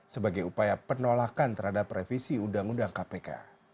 sebagai upaya penolakan terhadap revisi undang undang kpk